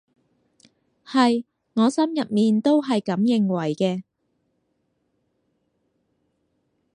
係，我心入面都係噉認為嘅